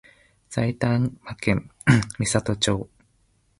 埼玉県美里町